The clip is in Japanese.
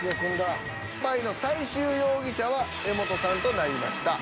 スパイの最終容疑者は柄本さんとなりました。